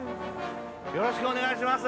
よろしくお願いします。